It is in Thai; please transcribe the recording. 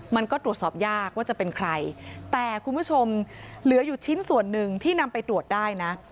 มันก็ตรวจสอบยากว่าจะเป็นใครแต่คุณผู้ชมเหลืออยู่ชิ้นส่วนหนึ่งที่นำไปตรวจได้นะ